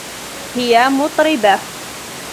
هي مطربة.